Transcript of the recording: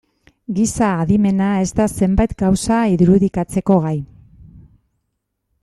Giza adimena ez da zenbait gauza irudikatzeko gai.